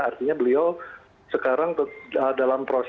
artinya beliau sekarang dalam proses